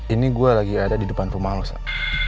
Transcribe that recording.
ini gue lagi ada di depan rumah lo zah